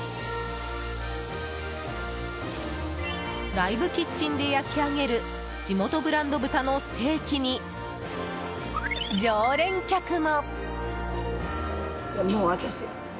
ライブキッチンで焼き上げる地元ブランド豚のステーキに常連客も。